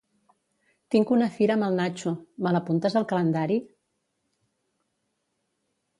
Tinc una fira amb el Natxo; me l'apuntes al calendari?